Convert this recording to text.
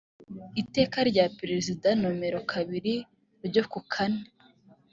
iteka rya perezida nomero kabiri ryo ku kane